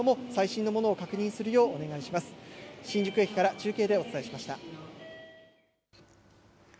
新宿駅から中継でお伝えしました。